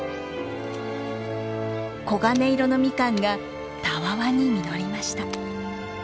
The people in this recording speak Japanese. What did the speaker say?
黄金色のミカンがたわわに実りました。